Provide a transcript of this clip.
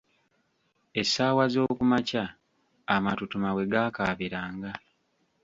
Essaawa zookumakya amatutuma we gaakaabiranga.